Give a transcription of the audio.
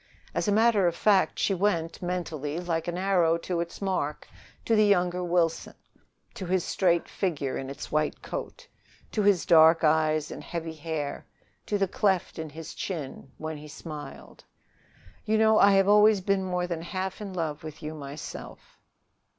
As a matter of fact, she went mentally, like an arrow to its mark, to the younger Wilson to his straight figure in its white coat, to his dark eyes and heavy hair, to the cleft in his chin when he smiled. "You know, I have always been more than half in love with you myself..."